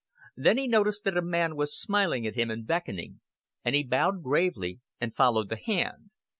Then he noticed that a man was smiling at him and beckoning, and he bowed gravely and followed the hand.